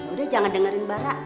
udah jangan dengerin bara